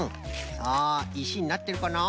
さあいしになってるかな？